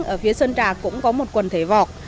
ở phía sơn trà cũng có một quần thể vọc